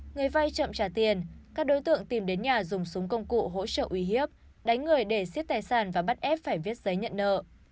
người vay chậm trả tiền các đối tượng tìm đến nhà dùng súng công cụ hỗ trợ uy hiếp đánh người để xiết tài sản và bắt ép phải viết giấy nhận nợ